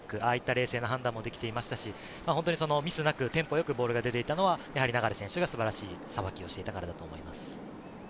冷静な判断もできていましたし、ミスなくテンポよくボールが出ていたのは、流選手が素晴らしいさばきをしていたと思います。